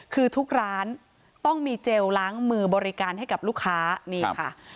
คือทุกร้านต้องมีเจลล้างมือบริการให้กับลูกค้านี่ค่ะ